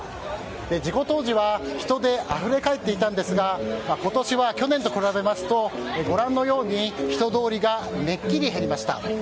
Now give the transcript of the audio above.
事故当時は人であふれかえっていたんですが今年は去年と比べますとご覧のように人通りがめっきり減りました。